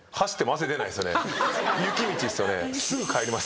雪道っすよね。